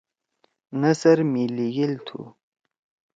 نثر می لیِگیل تُھو